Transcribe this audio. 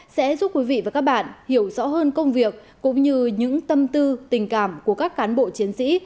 sẽ giúp quý vị và các bạn hiểu rõ hơn công việc cũng như những tâm tư tình cảm của các cán bộ chiến sĩ